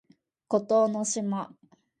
孤島の島